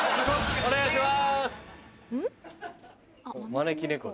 お願いします。